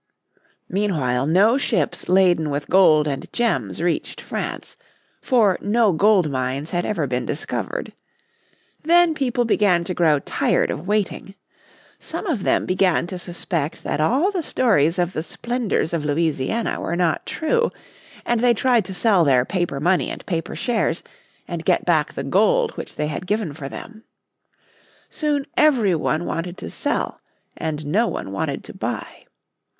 Meanwhile no ships laden with gold and gems reached France, for no gold mines had ever been discovered. Then people began to grow tired of waiting. Some of them began to suspect that all the stories of the splendours of Louisiana were not true, and they tried to sell their paper money and paper shares, and get back the gold which they had given for them. Soon every one wanted to sell, and no one wanted to buy.